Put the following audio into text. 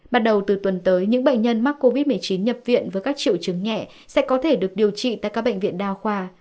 bắt đầu từ tuần tới những bệnh nhân mắc covid một mươi chín nhập viện với các triệu chứng nhẹ sẽ có thể được điều trị tại các bệnh viện đa khoa